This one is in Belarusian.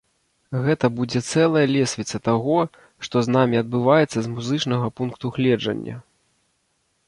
Гэта будзе цэлая лесвіца таго, што з намі адбываецца з музычнага пункту гледжання!